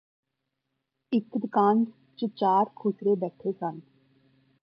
ਇਕ ਦੁਕਾਨ ਚ ਚਾਰ ਖੁਸਰੇ ਬੈਠੇ ਸਨ